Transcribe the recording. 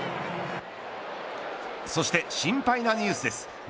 そして心配なニュースです。